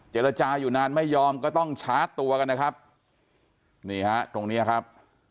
เจรจาอยู่นานไม่ยอมก็ต้องชาร์จตัวกันนะครับนี่ฮะตรงเนี้ยครับ